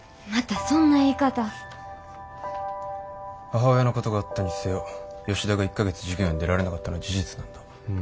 母親のことがあったにせよ吉田が１か月授業に出られなかったのは事実なんだ。